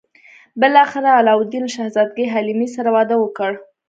بالاخره علاوالدین له شهزادګۍ حلیمې سره واده وکړ.